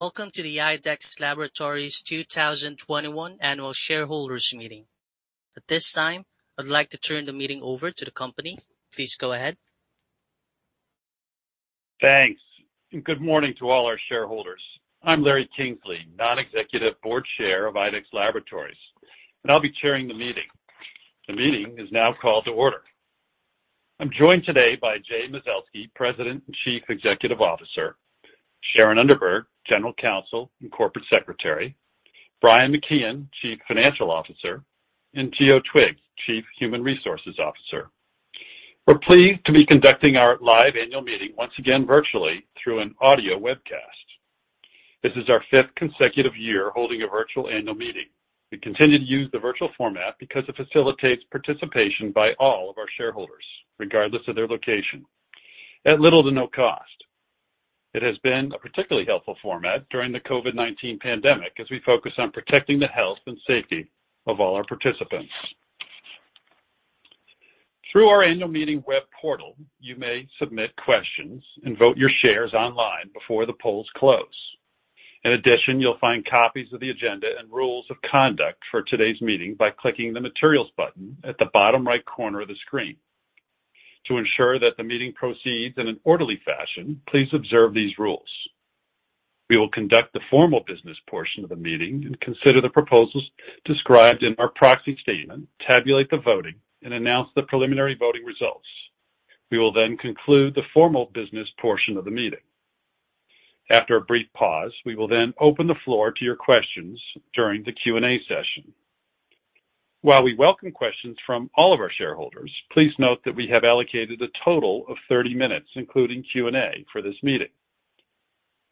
Welcome to the IDEXX Laboratories 2021 Annual Shareholders Meeting. At this time, I'd like to turn the meeting over to the company. Please go ahead. Thanks, and good morning to all our shareholders. I'm Larry Kingsleigh, Non-Executive Board Chair of IDEXX Laboratories, and I'll be chairing the meeting. The meeting is now called to order. I'm joined today by Jay Mazelsky, President and Chief Executive Officer, Sharon Underberg, General Counsel and Corporate Secretary, Brian McKeon, Chief Financial Officer, and Giovani Twigge, Chief Human Resources Officer. We're pleased to be conducting our live annual meeting once again virtually through an audio webcast. This is our fifth consecutive year holding a virtual annual meeting. We continue to use the virtual format because it facilitates participation by all of our shareholders, regardless of their location, at little to no cost. It has been a particularly helpful format during the COVID-19 pandemic as we focus on protecting the health and safety of all our participants. Through our annual meeting web portal, you may submit questions and vote your shares online before the polls close. In addition, you'll find copies of the agenda and rules of conduct for today's meeting by clicking the Materials button at the bottom right corner of the screen. To ensure that the meeting proceeds in an orderly fashion, please observe these rules. We will conduct the formal business portion of the meeting and consider the proposals described in our proxy statement, tabulate the voting, and announce the preliminary voting results. We will then conclude the formal business portion of the meeting. After a brief pause, we will then open the floor to your questions during the Q&A session. While we welcome questions from all of our shareholders, please note that we have allocated a total of 30 minutes, including Q&A, for this meeting.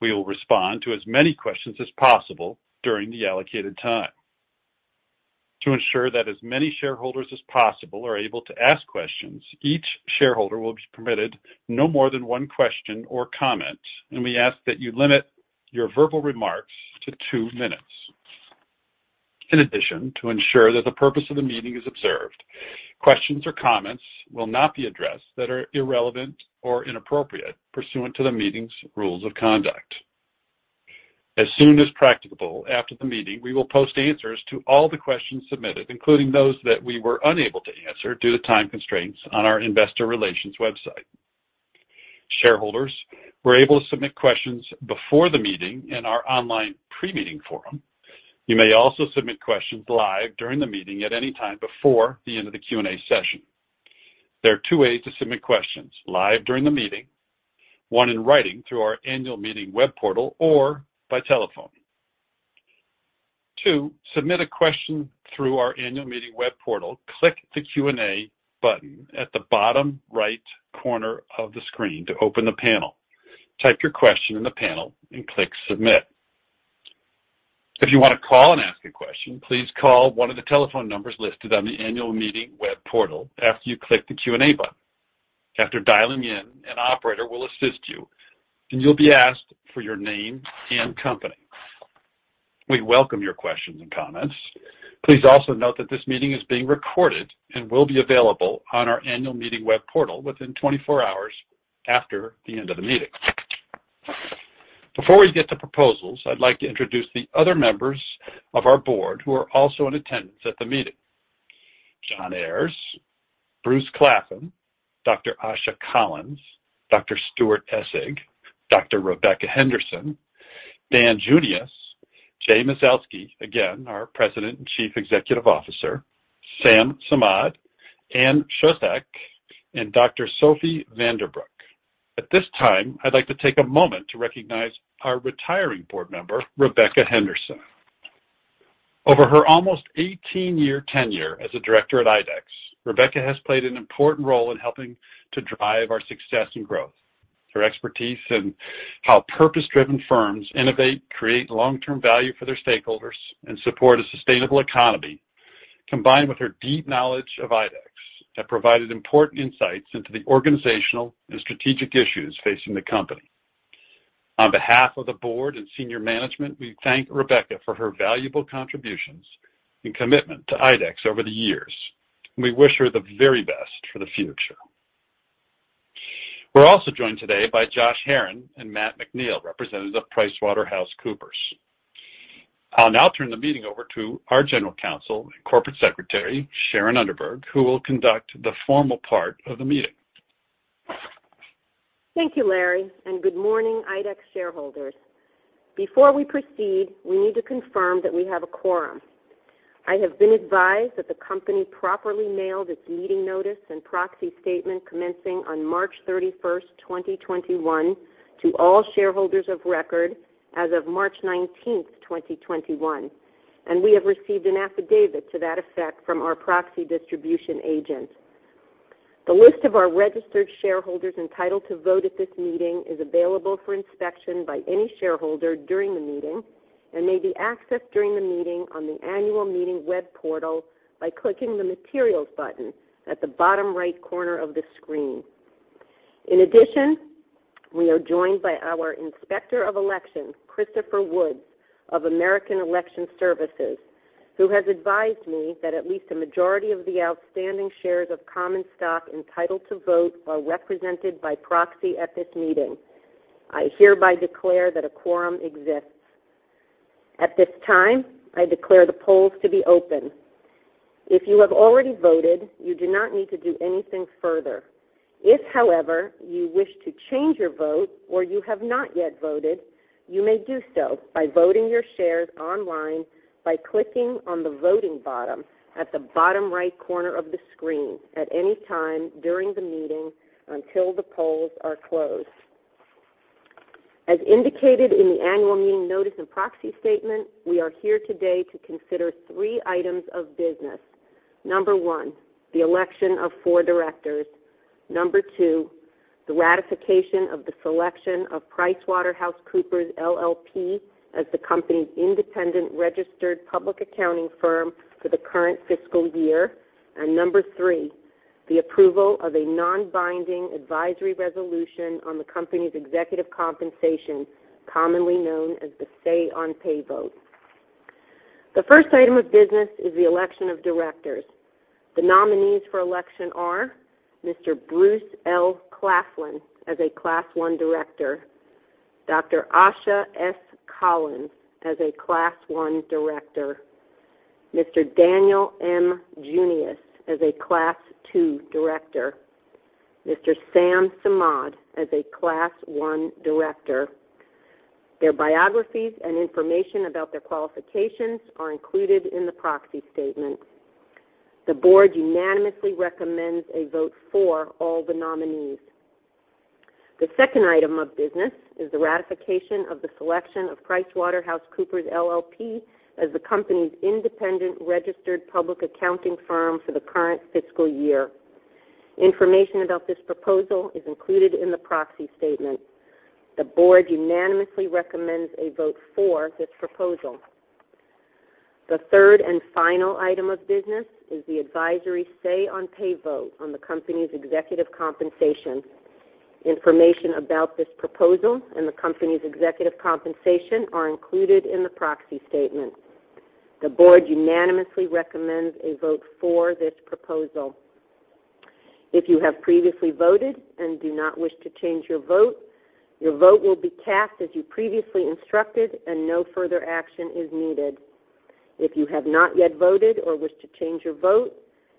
We will respond to as many questions as possible during the allocated time. To ensure that as many shareholders as possible are able to ask questions, each shareholder will be permitted no more than one question or comment, and we ask that you limit your verbal remarks to two minutes. In addition, to ensure that the purpose of the meeting is observed, questions or comments will not be addressed that are irrelevant or inappropriate pursuant to the meeting's rules of conduct. As soon as practicable after the meeting, we will post answers to all the questions submitted, including those that we were unable to answer due to time constraints on our investor relations website. Shareholders were able to submit questions before the meeting in our online pre-meeting forum. You may also submit questions live during the meeting at any time before the end of the Q&A session. There are two ways to submit questions live during the meeting. One, in writing through our annual meeting web portal or by telephone. Two, submit a question through our annual meeting web portal. Click the Q&A button at the bottom right corner of the screen to open the panel. Type your question in the panel and click Submit. If you want to call and ask a question, please call one of the telephone numbers listed on the annual meeting web portal after you click the Q&A button. After dialing in, an operator will assist you, and you'll be asked for your name and company. We welcome your questions and comments. Please also note that this meeting is being recorded and will be available on our annual meeting web portal within 24 hours after the end of the meeting. Before we get to proposals, I'd like to introduce the other members of our board who are also in attendance at the meeting. Jonathan Ayers, Bruce L. Claflin, Dr. Asha S. Collins, Dr. Stuart Essig, Dr. Rebecca Henderson, Daniel M. Junius, Jay Mazelsky, again, our President and Chief Executive Officer, Sam Samad, Anne Szostak, and Dr. Sophie Vandebroek. At this time, I'd like to take a moment to recognize our retiring board member, Rebecca Henderson. Over her almost 18-year tenure as a director at IDEXX, Rebecca has played an important role in helping to drive our success and growth. Her expertise in how purpose-driven firms innovate, create long-term value for their stakeholders, and support a sustainable economy, combined with her deep knowledge of IDEXX, have provided important insights into the organizational and strategic issues facing the company. On behalf of the board and senior management, we thank Rebecca for her valuable contributions and commitment to IDEXX over the years. We wish her the very best for the future. We're also joined today by Josh Herrin and Matt McNeil, representatives of PricewaterhouseCoopers. I'll now turn the meeting over to our General Counsel and Corporate Secretary, Sharon Underberg, who will conduct the formal part of the meeting. Thank you, Larry, and good morning, IDEXX shareholders. Before we proceed, we need to confirm that we have a quorum. I have been advised that the company properly mailed its meeting notice and proxy statement commencing on March 31st, 2021, to all shareholders of record as of March 19th, 2021, and we have received an affidavit to that effect from our proxy distribution agent. The list of our registered shareholders entitled to vote at this meeting is available for inspection by any shareholder during the meeting and may be accessed during the meeting on the annual meeting web portal by clicking the Materials button at the bottom right corner of the screen. In addition, we are joined by our Inspector of Elections, Christopher Woods of American Election Services, who has advised me that at least a majority of the outstanding shares of common stock entitled to vote are represented by proxy at this meeting. I hereby declare that a quorum exists. At this time, I declare the polls to be open. If you have already voted, you do not need to do anything further. If, however, you wish to change your vote or you have not yet voted, you may do so by voting your shares online by clicking on the voting button at the bottom right corner of the screen at any time during the meeting until the polls are closed. As indicated in the annual meeting notice and proxy statement, we are here today to consider three items of business. Number one, the election of four directors. Number two, the ratification of the selection of PricewaterhouseCoopers LLP as the company's independent registered public accounting firm for the current fiscal year. Number three, the approval of a non-binding advisory resolution on the company's executive compensation, commonly known as the Say on Pay vote. The first item of business is the election of directors. The nominees for election are Mr. Bruce L. Claflin as a Class I director, Dr. Asha S. Collins as a Class I director, Mr. Daniel M. Junius as a Class II director, Mr. Sam Samad as a Class I director. Their biographies and information about their qualifications are included in the proxy statement. The board unanimously recommends a vote for all the nominees. The second item of business is the ratification of the selection of PricewaterhouseCoopers LLP as the company's independent registered public accounting firm for the current fiscal year. Information about this proposal is included in the proxy statement. The board unanimously recommends a vote for this proposal. The third and final item of business is the advisory Say on Pay vote on the company's executive compensation. Information about this proposal and the company's executive compensation are included in the proxy statement. The board unanimously recommends a vote for this proposal. If you have previously voted and do not wish to change your vote, your vote will be cast as you previously instructed and no further action is needed. If you have not yet voted or wish to change your vote,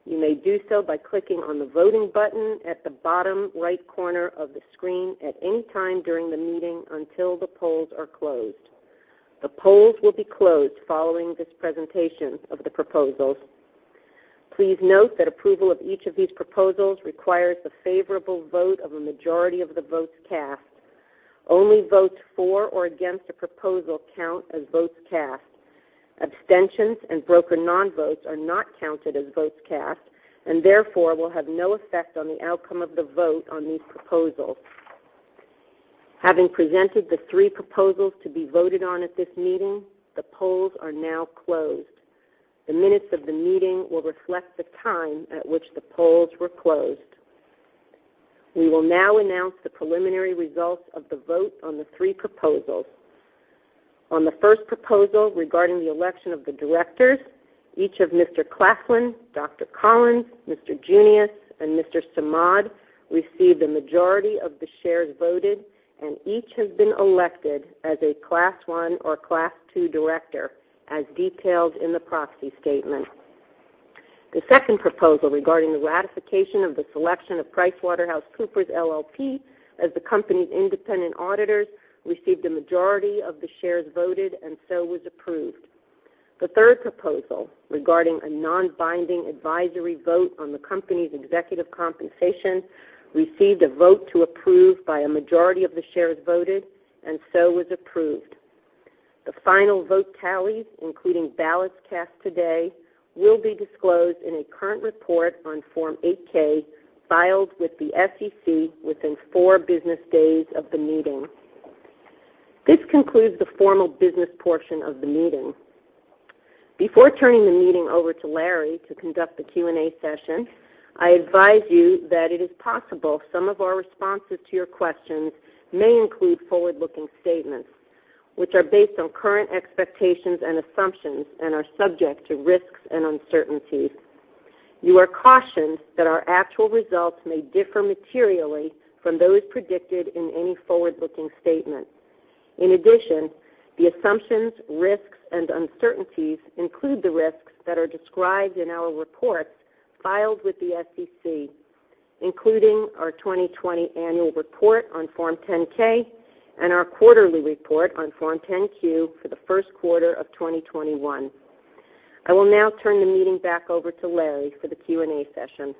you may do so by clicking on the voting button at the bottom right corner of the screen at any time during the meeting until the polls are closed. The polls will be closed following this presentation of the proposals. Please note that approval of each of these proposals requires the favorable vote of a majority of the votes cast. Only votes for or against a proposal count as votes cast. Abstentions and broker non-votes are not counted as votes cast, and therefore will have no effect on the outcome of the vote on these proposals. Having presented the three proposals to be voted on at this meeting, the polls are now closed. The minutes of the meeting will reflect the time at which the polls were closed. We will now announce the preliminary results of the vote on the three proposals. On the first proposal regarding the election of the directors, each of Mr. Claflin, Dr. Collins, Mr. Junius, and Mr. Samad received a majority of the shares voted, and each has been elected as a Class I or Class II director as detailed in the proxy statement. The second proposal regarding the ratification of the selection of PricewaterhouseCoopers LLP as the company's independent auditors received a majority of the shares voted and so was approved. The third proposal, regarding a non-binding advisory vote on the company's executive compensation, received a vote to approve by a majority of the shares voted and so was approved. The final vote tallies, including ballots cast today, will be disclosed in a current report on Form 8-K filed with the SEC within four business days of the meeting. This concludes the formal business portion of the meeting. Before turning the meeting over to Larry to conduct the Q&A session, I advise you that it is possible some of our responses to your questions may include forward-looking statements, which are based on current expectations and assumptions and are subject to risks and uncertainties. You are cautioned that our actual results may differ materially from those predicted in any forward-looking statement. In addition, the assumptions, risks, and uncertainties include the risks that are described in our reports filed with the SEC, including our 2020 annual report on Form 10-K and our quarterly report on Form 10-Q for the first quarter of 2021. I will now turn the meeting back over to Larry for the Q&A session.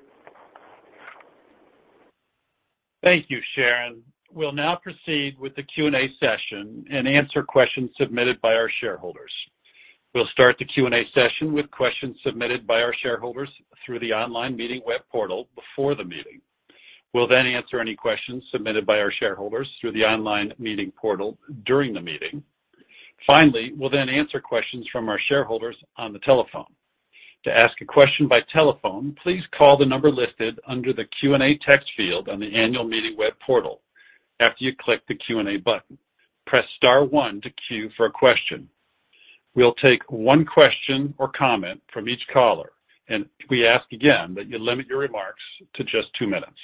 Thank you, Sharon. We'll now proceed with the Q&A session and answer questions submitted by our shareholders. We'll start the Q&A session with questions submitted by our shareholders through the online meeting web portal before the meeting. We'll answer any questions submitted by our shareholders through the online meeting portal during the meeting. Finally, we'll answer questions from our shareholders on the telephone. To ask a question by telephone, please call the number listed under the Q&A text field on the annual meeting web portal after you click the Q&A button. Press star one to queue for a question. We'll take one question or comment from each caller. We ask again that you limit your remarks to just two minutes.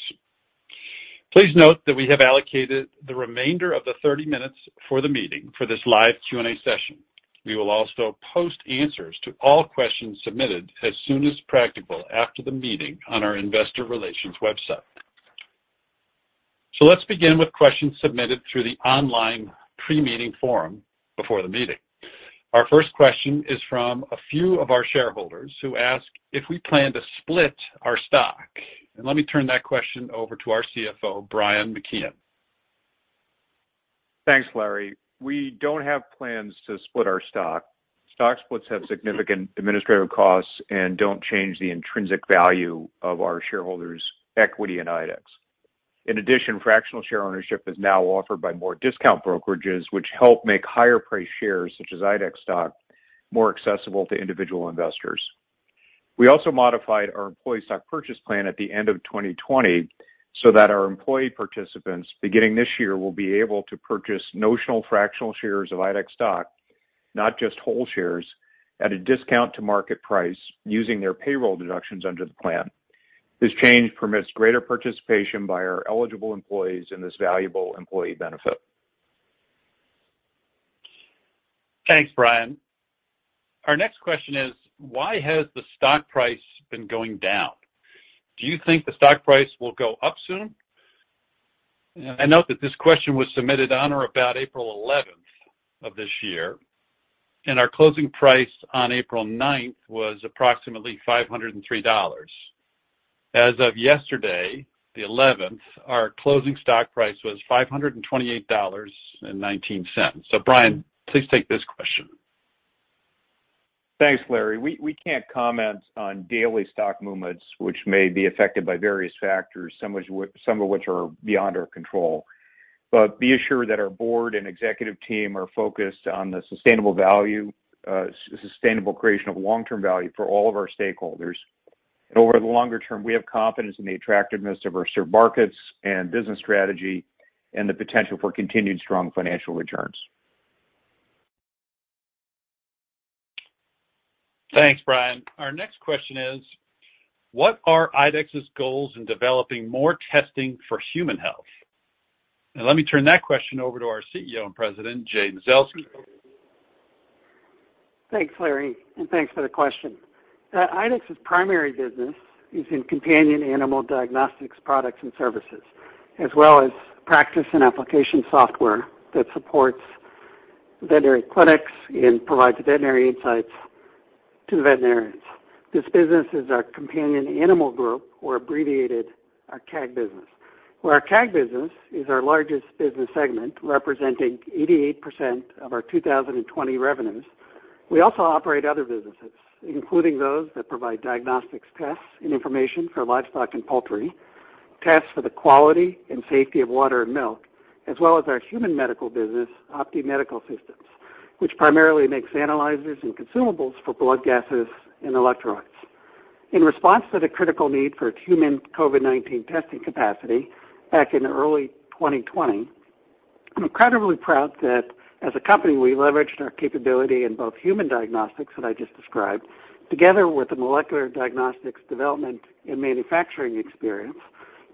Please note that we have allocated the remainder of the 30 minutes for the meeting for this live Q&A session. We will also post answers to all questions submitted as soon as practical after the meeting on our investor relations website. Let's begin with questions submitted through the online pre-meeting forum before the meeting. Our first question is from a few of our shareholders who ask if we plan to split our stock. Let me turn that question over to our CFO, Brian McKeon. Thanks, Larry. We don't have plans to split our stock. Stock splits have significant administrative costs and don't change the intrinsic value of our shareholders' equity in IDEXX. In addition, fractional share ownership is now offered by more discount brokerages, which help make higher-priced shares, such as IDEXX stock, more accessible to individual investors. We also modified our employee stock purchase plan at the end of 2020 so that our employee participants, beginning this year, will be able to purchase notional fractional shares of IDEXX stock, not just whole shares, at a discount to market price using their payroll deductions under the plan. This change permits greater participation by our eligible employees in this valuable employee benefit. Thanks, Brian. Our next question is: why has the stock price been going down? Do you think the stock price will go up soon? I note that this question was submitted on or about April 11th of this year, our closing price on April 9th was approximately $503. As of yesterday, the 11th, our closing stock price was $528.19. Brian, please take this question. Thanks, Larry. We can't comment on daily stock movements which may be affected by various factors, some of which are beyond our control. Be assured that our board and executive team are focused on the sustainable creation of long-term value for all of our stakeholders. Over the longer term, we have confidence in the attractiveness of our served markets and business strategy and the potential for continued strong financial returns. Thanks, Brian. Our next question is: what are IDEXX's goals in developing more testing for human health? Let me turn that question over to our CEO and President, Jay Mazelsky. Thanks, Larry, and thanks for the question. IDEXX's primary business is in companion animal diagnostics products and services, as well as practice and application software that supports veterinary clinics and provides veterinary insights to veterinarians. This business is our Companion Animal Group, or abbreviated, our CAG business. While our CAG business is our largest business segment, representing 88% of our 2020 revenues, we also operate other businesses, including those that provide diagnostics tests and information for livestock and poultry, tests for the quality and safety of water and milk, as well as our human medical business, OPTI Medical Systems, which primarily makes analyzers and consumables for blood gases and electrolytes. In response to the critical need for human COVID-19 testing capacity back in early 2020, I'm incredibly proud that as a company, we leveraged our capability in both human diagnostics that I just described, together with the molecular diagnostics development and manufacturing experience,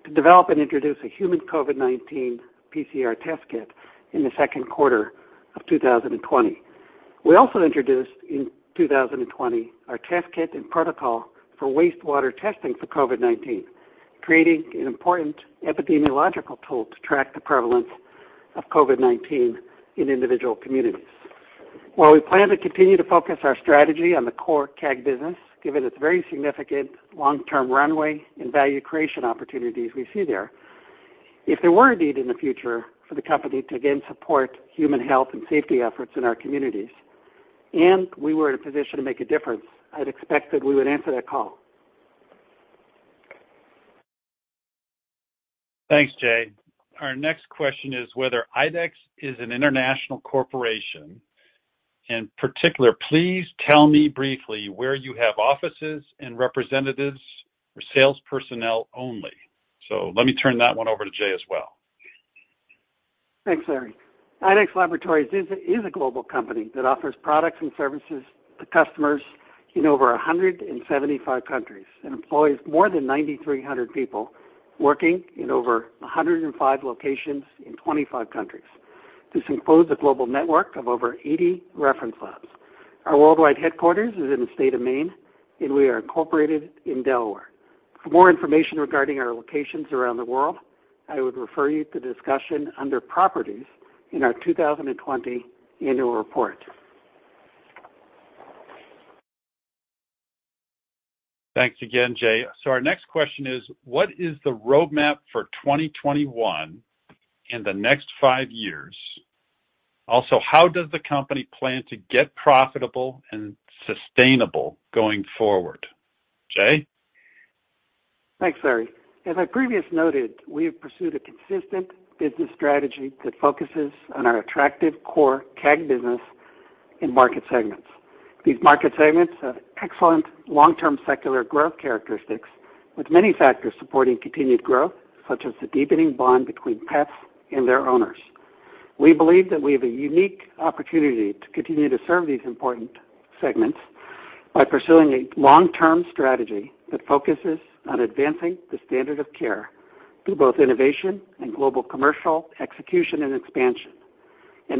to develop and introduce a human COVID-19 PCR test kit in the second quarter of 2020. We also introduced in 2020 our test kit and protocol for wastewater testing for COVID-19, creating an important epidemiological tool to track the prevalence of COVID-19 in individual communities. While we plan to continue to focus our strategy on the core CAG business, given its very significant long-term runway and value creation opportunities we see there, if there were a need in the future for the company to again support human health and safety efforts in our communities, and we were in a position to make a difference, I'd expect that we would answer that call. Thanks, Jay. Our next question is whether IDEXX is an international corporation. In particular, please tell me briefly where you have offices and representatives or sales personnel only. Let me turn that one over to Jay as well. Thanks, Larry. IDEXX Laboratories is a global company that offers products and services to customers in over 175 countries and employs more than 9,300 people working in over 105 locations in 25 countries. This includes a global network of over 80 reference labs. Our worldwide headquarters is in the state of Maine, and we are incorporated in Delaware. For more information regarding our locations around the world, I would refer you to the discussion under properties in our 2020 annual report. Thanks again, Jay. Our next question is: what is the roadmap for 2021 and the next five years? Also, how does the company plan to get profitable and sustainable going forward? Jay? Thanks, Larry. As I previously noted, we have pursued a consistent business strategy that focuses on our attractive core CAG business in market segments. These market segments have excellent long-term secular growth characteristics with many factors supporting continued growth, such as the deepening bond between pets and their owners. We believe that we have a unique opportunity to continue to serve these important segments by pursuing a long-term strategy that focuses on advancing the standard of care through both innovation and global commercial execution and expansion.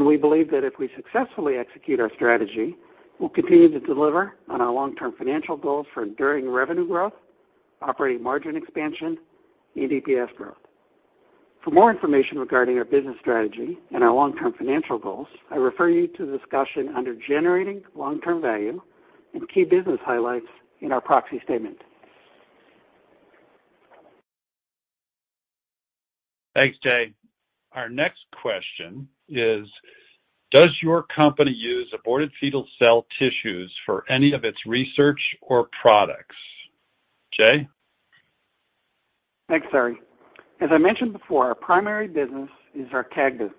We believe that if we successfully execute our strategy, we'll continue to deliver on our long-term financial goals for enduring revenue growth, operating margin expansion, and EPS growth. For more information regarding our business strategy and our long-term financial goals, I refer you to the discussion under "Generating Long-Term Value" and "Key Business Highlights" in our proxy statement. Thanks, Jay. Our next question is, does your company use aborted fetal cell tissues for any of its research or products? Jay? Thanks, Larry. As I mentioned before, our primary business is our CAG business.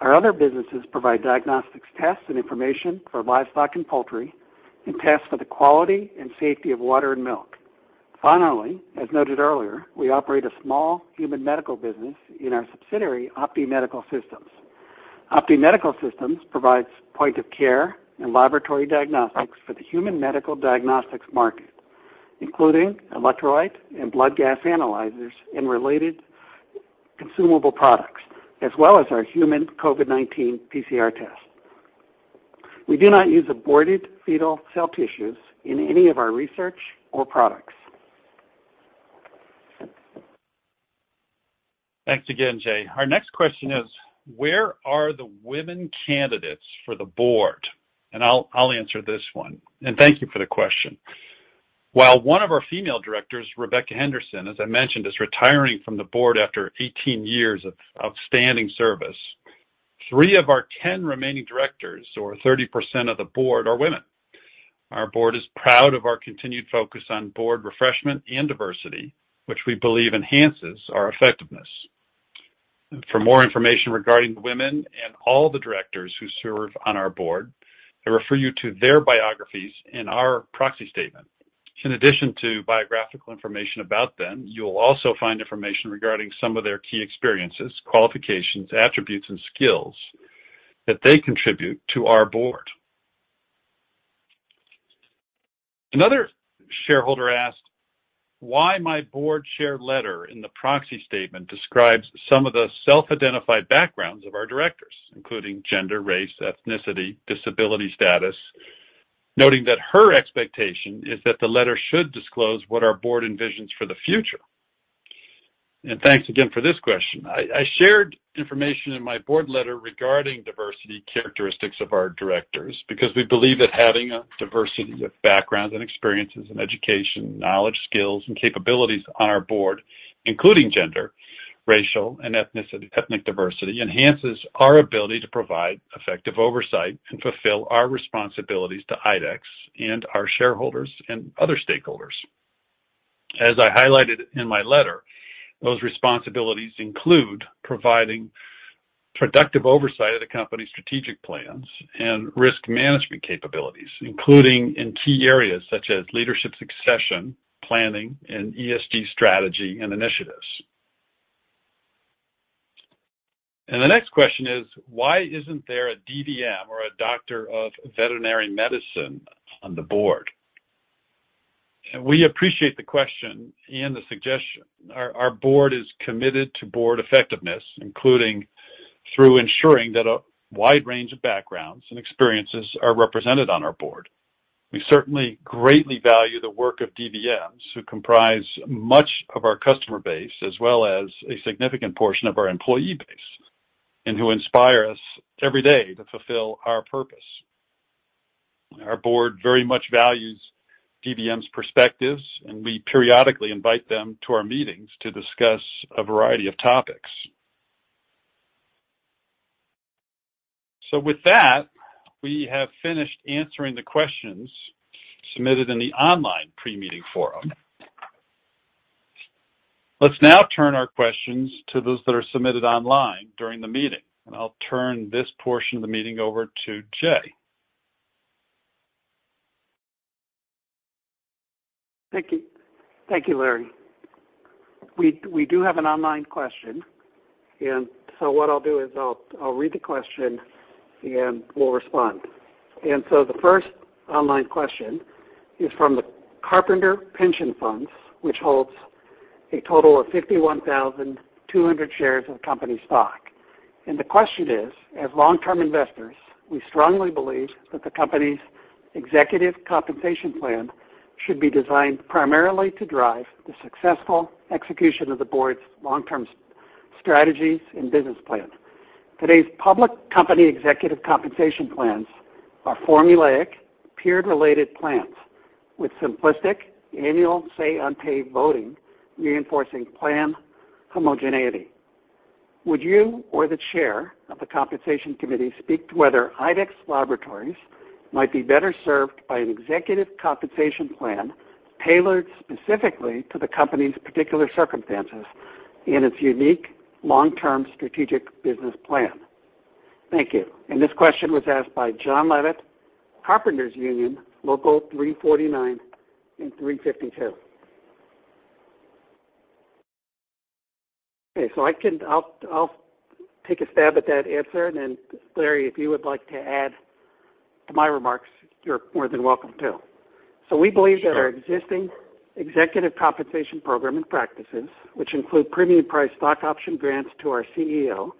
Our other businesses provide diagnostics tests and information for livestock and poultry, and tests for the quality and safety of water and milk. Finally, as noted earlier, we operate a small human medical business in our subsidiary, OPTI Medical Systems. OPTI Medical Systems provides point of care and laboratory diagnostics for the human medical diagnostics market, including electrolyte and blood gas analyzers and related consumable products, as well as our human COVID-19 PCR test. We do not use aborted fetal cell tissues in any of our research or products. Thanks again, Jay. Our next question is, where are the women candidates for the board? I'll answer this one. Thank you for the question. While one of our female directors, Rebecca Henderson, as I mentioned, is retiring from the board after 18 years of outstanding service, three of our 10 remaining directors, or 30% of the board, are women. Our board is proud of our continued focus on board refreshment and diversity, which we believe enhances our effectiveness. For more information regarding the women and all the directors who serve on our board, I refer you to their biographies in our proxy statement. In addition to biographical information about them, you'll also find information regarding some of their key experiences, qualifications, attributes, and skills that they contribute to our board. Another shareholder asked why my board chair letter in the proxy statement describes some of the self-identified backgrounds of our directors, including gender, race, ethnicity, disability status, noting that her expectation is that the letter should disclose what our board envisions for the future. Thanks again for this question. I shared information in my board letter regarding diversity characteristics of our directors because we believe that having a diversity of backgrounds and experiences and education, knowledge, skills, and capabilities on our board, including gender, racial, and ethnic diversity, enhances our ability to provide effective oversight and fulfill our responsibilities to IDEXX and our shareholders and other stakeholders. As I highlighted in my letter, those responsibilities include providing productive oversight of the company's strategic plans and risk management capabilities, including in key areas such as leadership succession, planning, and ESG strategy and initiatives. The next question is, why isn't there a DVM or a doctor of veterinary medicine on the board? We appreciate the question and the suggestion. Our board is committed to board effectiveness, including through ensuring that a wide range of backgrounds and experiences are represented on our board. We certainly greatly value the work of DVMs, who comprise much of our customer base, as well as a significant portion of our employee base, and who inspire us every day to fulfill our purpose. Our board very much values DVM's perspectives, and we periodically invite them to our meetings to discuss a variety of topics. With that, we have finished answering the questions submitted in the online pre-meeting forum. Let's now turn our questions to those that are submitted online during the meeting, and I'll turn this portion of the meeting over to Jay. Thank you. Thank you, Larry. We do have an online question, and so what I'll do is I'll read the question and we'll respond. The first online question is from the Carpenters Pension Fund, which holds a total of 51,200 shares of company stock. The question is, as long-term investors, we strongly believe that the company's executive compensation plan should be designed primarily to drive the successful execution of the board's long-term strategies and business plans. Today's public company executive compensation plans are formulaic, peer-related plans with simplistic annual Say on Pay voting reinforcing plan homogeneity. Would you or the chair of the compensation committee speak to whether IDEXX Laboratories might be better served by an executive compensation plan tailored specifically to the company's particular circumstances and its unique long-term strategic business plan? Thank you. This question was asked by John Leavitt, Carpenters Union Local 349 and 352. Okay. I'll take a stab at that answer, and then Larry, if you would like to add to my remarks, you're more than welcome to. Sure. We believe that our existing executive compensation program and practices, which include premium priced stock option grants to our CEO,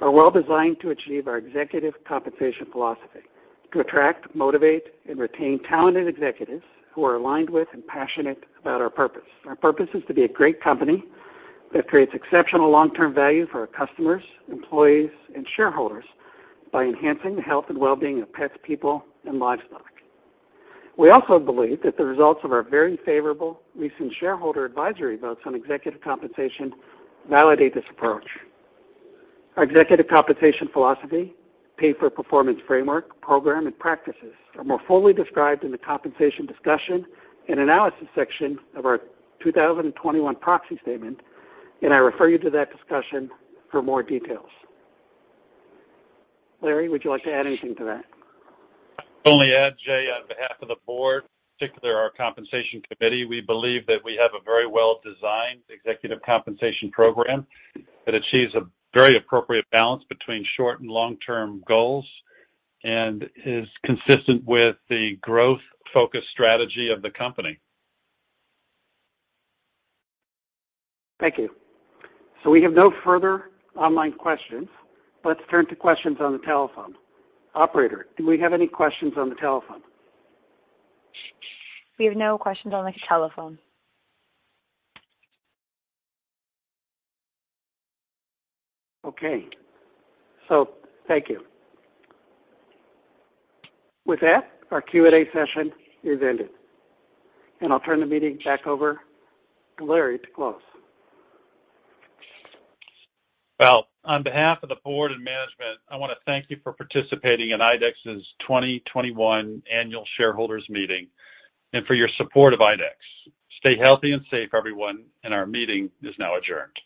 are well-designed to achieve our executive compensation philosophy to attract, motivate, and retain talented executives who are aligned with and passionate about our purpose. Our purpose is to be a great company that creates exceptional long-term value for our customers, employees, and shareholders by enhancing the health and well-being of pets, people, and livestock. We also believe that the results of our very favorable recent shareholder advisory votes on executive compensation validate this approach. Our executive compensation philosophy, pay for performance framework, program, and practices are more fully described in the compensation discussion and analysis section of our 2021 proxy statement, and I refer you to that discussion for more details. Larry, would you like to add anything to that? Only add, Jay, on behalf of the Board, particularly our Compensation Committee, we believe that we have a very well-designed executive compensation program that achieves a very appropriate balance between short and long-term goals and is consistent with the growth-focused strategy of the Company. Thank you. We have no further online questions. Let's turn to questions on the telephone. Operator, do we have any questions on the telephone? We have no questions on the telephone. Okay. Thank you. With that, our Q&A session is ended, and I'll turn the meeting back over to Larry to close. Well, on behalf of the board and management, I want to thank you for participating in IDEXX's 2021 annual shareholders meeting and for your support of IDEXX. Stay healthy and safe, everyone, and our meeting is now adjourned.